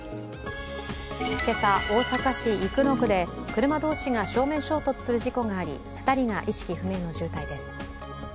今朝、大阪市生野区で車同士が正面衝突する事故があり２人が意識不明の重体です。